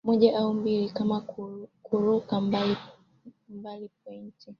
moja au mbili kama kuruka mbali pointi